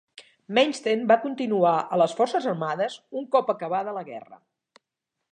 Manstein va continuar a les forces armades un cop acabada la guerra.